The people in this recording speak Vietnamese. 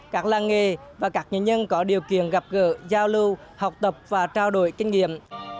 các làng nghề và các nhân nhân có điều kiện gặp gỡ giao lưu học tập và trao đổi kinh nghiệm